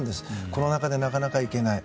コロナ禍でなかなか行けない。